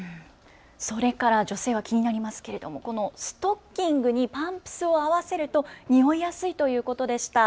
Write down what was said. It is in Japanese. それから女性は気になりますけれどもストッキングにパンプスを合わせると臭いやすいということでした。